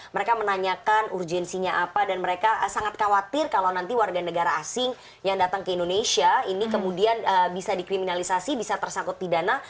mereka menanyakan urgensinya apa dan mereka sangat khawatir kalau nanti warga negara asing yang datang ke indonesia ini kemudian bisa dikriminalisasi bisa tersangkut pidana